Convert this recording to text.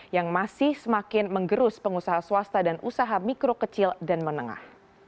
yang masih semakin menggerus pengusaha swasta dan usaha mikro kecil dan menengah